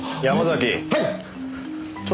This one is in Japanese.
山崎。